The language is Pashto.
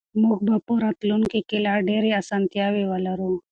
موږ به په راتلونکي کې لا ډېرې اسانتیاوې ولرو.